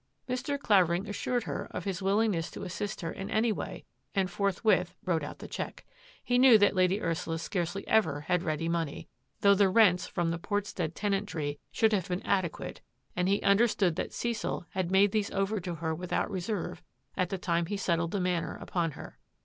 Mr. Clavering assured her of his willingness to assist her in any way, and forthwith wrote out the cheque. He knew that Lady Ursula scarcely ever had ready money, though the rents from the Port stead tenantry should have been adequate and he understood that Cecil had made these over to her without reserve at the time he settled the Manor upon her.